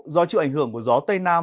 do chịu ảnh hưởng của gió tây nam